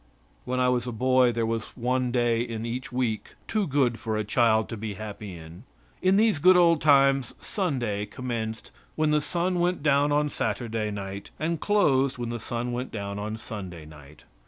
When I was a boy there was one day in each week too good for a child to be happy in. In these good old times Sunday commenced when the sun went down on Saturday night and closed when the sun went down on Sunday night.